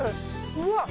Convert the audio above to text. うわっ！